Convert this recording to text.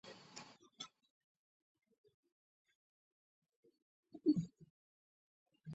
乡政府驻地在下宫村。